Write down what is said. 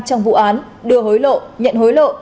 trong vụ án đưa hối lộ nhận hối lộ